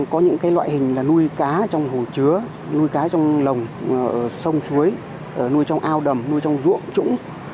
có những loại hình là nuôi cá trong hồ chứa nuôi cá trong lồng sông suối nuôi trong ao đầm nuôi trong ruộng trũng